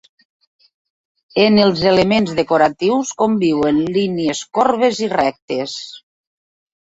En els elements decoratius conviuen línies corbes i rectes.